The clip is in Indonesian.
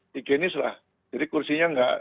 higienis lah jadi kursinya nggak